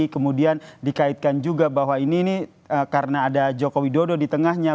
kemudian dikaitkan juga bahwa ini karena ada joko widodo di tengahnya